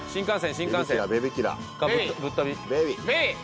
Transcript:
新幹線！